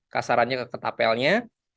kasarannya ke tapelnya